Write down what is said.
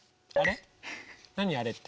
何あれって？